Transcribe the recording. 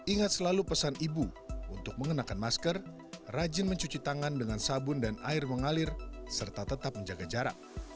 ingat selalu pesan ibu untuk mengenakan masker rajin mencuci tangan dengan sabun dan air mengalir serta tetap menjaga jarak